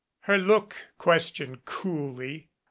Her look questioned coolly.